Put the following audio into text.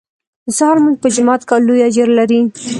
د سهار لمونځ په جماعت کول لوی اجر لري